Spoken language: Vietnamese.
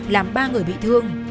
làm ba người bị thương